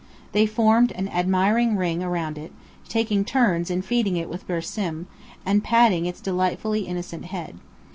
They formed an admiring ring round it, taking turns in feeding it with bersim, and patting its delightfully innocent head.